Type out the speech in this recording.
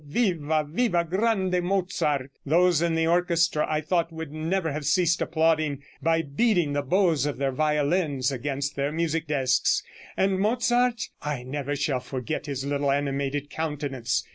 Viva, Viva, grande Mozart_.' Those in the orchestra I thought would never have ceased applauding, by beating the bows of their violins against their music desks. And Mozart, I never shall forget his little animated countenance.